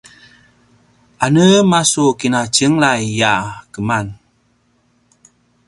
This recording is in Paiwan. anema su kina tjenglay a keman?